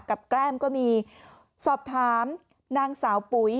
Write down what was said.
แก้มก็มีสอบถามนางสาวปุ๋ย